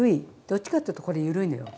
どっちかっていうとこれ緩いのよ。